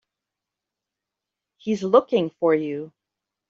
He's looking for you.